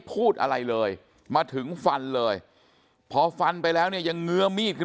พูดอะไรเลยมาถึงฟันเลยพอฟันไปแล้วเนี่ยยังเงื้อมีดขึ้น